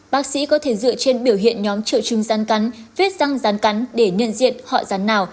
bác sĩ có thể dựa trên biểu hiện nhóm triệu chứng rắn cắn vết răng rắn cắn để nhận diện họ rắn nào